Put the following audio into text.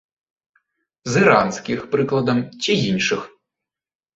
З іранскіх, прыкладам ці іншых.